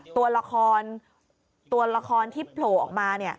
ตัวละครตัวละครที่โผล่ออกมา